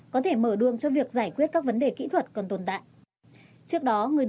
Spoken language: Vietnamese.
có thể mở đường cho việc giải quyết các vấn đề kỹ thuật còn tồn tại